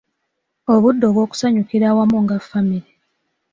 Obudde obw’okusanyukira awamu nga famire.